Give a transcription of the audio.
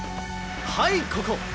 「はいここ！